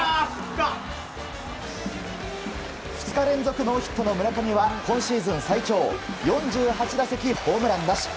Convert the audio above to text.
２日連続ノーヒットの村上は今シーズン最長４８打席ホームランなし。